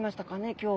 今日。